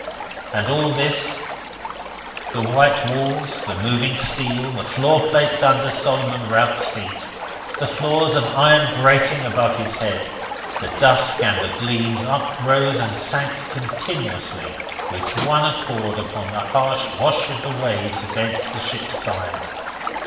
And all this, the white walls, the moving steel, the floor plates under Solomon Rout's feet, the floors of iron grating above his head, the dusk and the gleams, uprose and sank continuously, with one accord, upon the harsh wash of the waves against the ship's side.